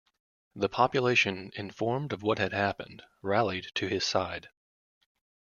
The population, informed of what had happened, rallied to his side.